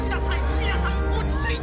みなさん落ち着いて！